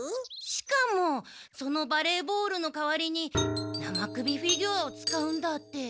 しかもそのバレーボールの代わりに生首フィギュアを使うんだって。